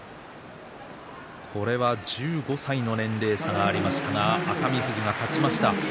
これは１５歳の年齢差がありましたが熱海富士が勝ちました。